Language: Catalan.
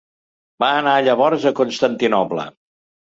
Va anar llavors a Constantinoble.